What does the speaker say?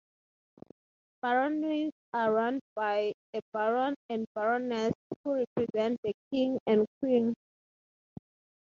Baronies are run by a baron and baroness, who represent the king and queen.